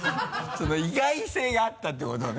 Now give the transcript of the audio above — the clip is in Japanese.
意外性があったってことね？